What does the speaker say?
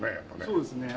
そうですね。